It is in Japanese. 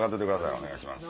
お願いします。